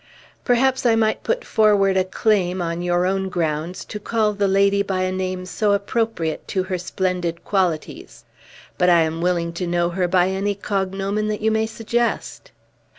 "Perhaps I might put forward a claim, on your own grounds, to call the lady by a name so appropriate to her splendid qualities. But I am willing to know her by any cognomen that you may suggest."